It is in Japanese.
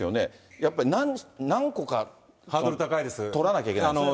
やっぱり何個か取らなきゃいけないですね。